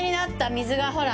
水が、ほら！